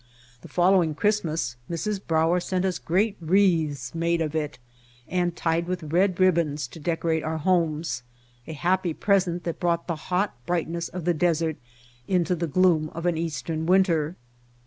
The following Christ mas Mrs. Brauer sent us great wreaths made of it and tied with red ribbons to decorate our homes, a happy present that brought the hot brightness of the desert into the gloom of an eastern winter.